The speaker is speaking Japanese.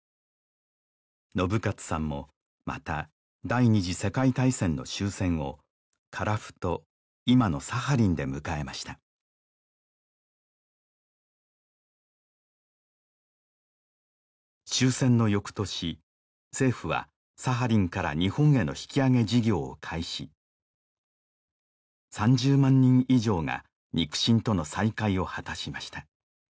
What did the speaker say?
信捷さんもまた第二次世界大戦の終戦を樺太今のサハリンで迎えました終戦の翌年政府はサハリンから日本への引き揚げ事業を開始３０万人以上が肉親との再会を果たしました